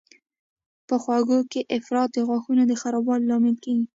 په خوږو کې افراط د غاښونو د خرابوالي لامل کېږي.